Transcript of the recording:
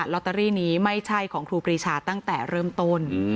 ลอตเตอรี่นี้ไม่ใช่ของครูปรีชาตั้งแต่เริ่มต้น